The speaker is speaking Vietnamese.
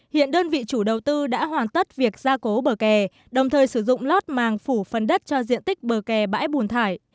hiện đơn vị chủ đầu tư đã hoàn tất việc gia cố bờ kè đồng thời sử dụng lót màng phủ phần đất cho diện tích bờ kè bãi bùn thải